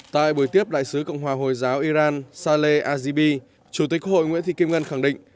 tại buổi tiếp đại sứ cộng hòa hồi giáo iran sale azibi chủ tịch quốc hội nguyễn thị kim ngân khẳng định